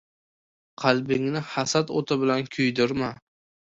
— Qalbingni hasad o‘ti bilan kuydirma.